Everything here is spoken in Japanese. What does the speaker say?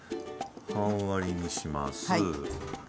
半割りにします。